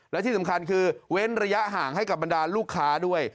และที่สำคัญคือเว้นระยะห่างให้กับบรรดาลูกค้าด้วย